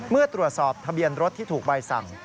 เมื่อตรวจสอบทะเบียนรถที่ถูกใบสั่ง